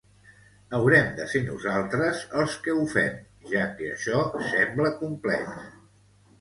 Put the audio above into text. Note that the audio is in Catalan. Haurem de ser nosaltres els que ho fem, ja que això sembla complex.